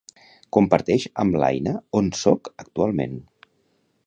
Comparteix amb l'Aina on soc actualment.